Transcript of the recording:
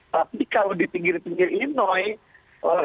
tapi kalau di pinggir pinggir innoi